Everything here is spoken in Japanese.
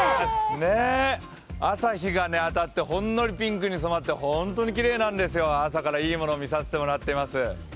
朝日が当たってほんのりピンクに染まって本当にきれいなんですよ、朝からいいものを見させてもらっています。